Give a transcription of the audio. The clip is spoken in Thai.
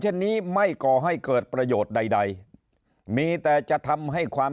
เช่นนี้ไม่ก่อให้เกิดประโยชน์ใดใดมีแต่จะทำให้ความ